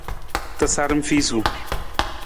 Tasaram fiisung.